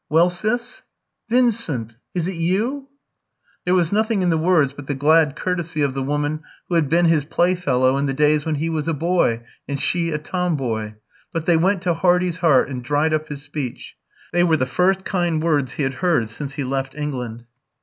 "Well, Sis?" "Vincent! is it you?" There was nothing in the words but the glad courtesy of the woman who had been his playfellow in the days when he was a boy and she a tomboy, but they went to Hardy's heart and dried up his speech. They were the first kind words he had heard since he left England.